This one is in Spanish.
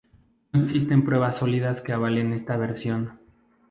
No existen pruebas sólidas que avalen esta versión.